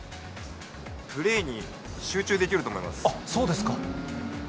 プレーに集中できると思いまそうですか。